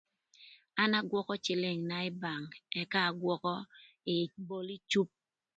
An agwökö cïlïngna ï bank ëka agwökö ï bol ï cup.